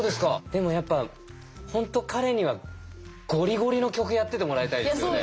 でもやっぱ本当彼にはゴリゴリの曲やっててもらいたいですね。